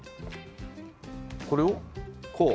これをこう。